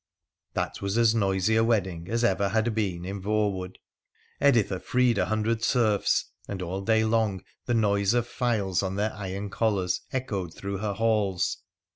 That was as noisy a wedding as ever had been in Voewood Editha freed a hundred serfs, and all day long the noise o files on their iron collars echoed through her halls.